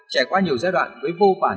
trải qua nhiều giai đoạn với vô bản